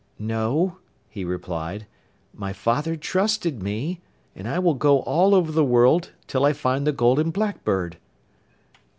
'No,' he replied, 'my father trusted me, and I will go all over the world till I find the Golden Blackbird.